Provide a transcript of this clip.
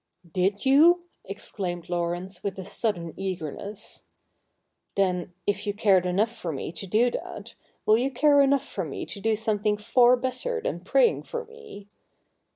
'Did you?' exclaimed Laurence with a sudden eagerness. ' Then, if you cared enough for me to do that, will you care enough for me to do something far better than praying for me